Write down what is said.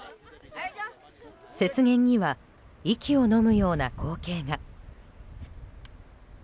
雪原には息をのむような光景が。